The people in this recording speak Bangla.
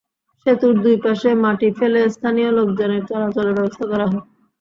সেতুর দুই পাশে মাটি ফেলে স্থানীয় লোকজনের চলাচলের ব্যবস্থা করা হয়।